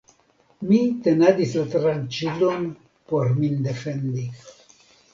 Mi tenadis la tranĉilon por min defendi.